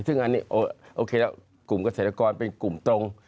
ซึ่งอันนี้โอเคแล้วกลุ่มเกษตรกรเป็นกลุ่มตรง